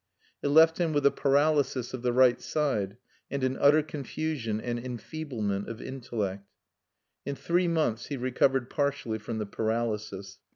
It left him with a paralysis of the right side and an utter confusion and enfeeblement of intellect. In three months he recovered partially from the paralysis.